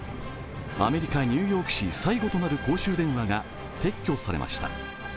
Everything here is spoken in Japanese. アメリカ・ニューヨーク市最後となる公衆電話が撤去されました。